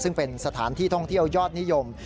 ซึ่งเป็นสถานที่ท่องเที่ยวยอดนิยม